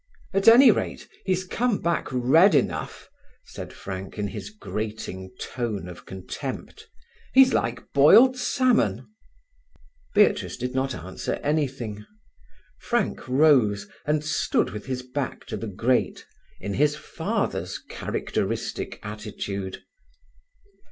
"At any rate, he's come back red enough," said Frank, in his grating tone of contempt. "He's like boiled salmon." Beatrice did not answer anything. Frank rose, and stood with his back to the grate, in his father's characteristic attitude.